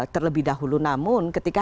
terlebih dahulu namun ketika